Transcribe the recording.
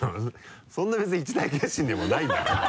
そんな別に一大決心でもないんだけど。